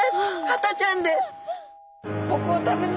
ハタちゃんです。